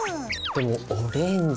でもオレンジ。